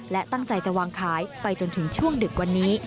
และตั้งใจจะวางขายไปจนถึงช่วงดึกวันนี้